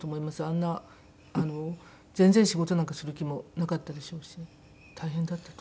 あんな全然仕事なんかする気もなかったでしょうし大変だったと。